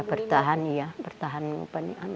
bertahan ya bertahan